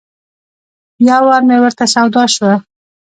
یو وار مې ورته سودا شوه.